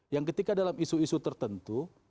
yang ketika dalam isu isu tertentu